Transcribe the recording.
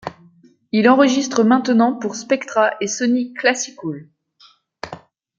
Il enregistre maintenant pour Spectra et Sony Classical.